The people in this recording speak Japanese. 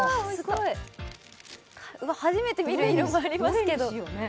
初めて見る色もありますけど。